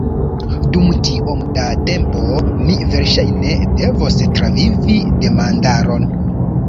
Dum tiom da tempo, mi verŝajne devos travivi demandaron.